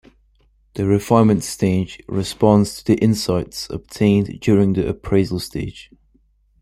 The refinement stage responds to the insights obtained during the Appraisal stage.